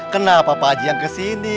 kenapa pak haji yang kesini